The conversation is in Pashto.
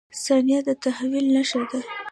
• ثانیه د تحول نښه ده.